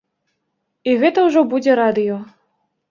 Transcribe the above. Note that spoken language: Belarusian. І гэта ўжо будзе радыё.